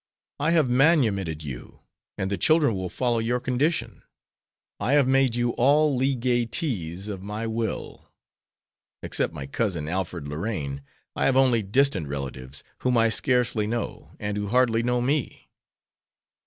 I have manumitted you, and the children will follow your condition. I have made you all legatees of my will. Except my cousin, Alfred Lorraine, I have only distant relatives, whom I scarcely know and who hardly know me."